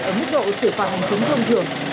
ở mức độ xử phạt hành chứng thông thường